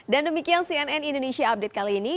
dan demikian cnn indonesia update kali ini